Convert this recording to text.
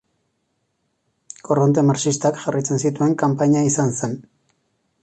Korronte marxistak jarraitzen zituen kanpaina izan zen.